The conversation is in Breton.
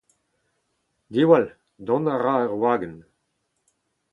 Diwall ! Dont a ra ur wagenn !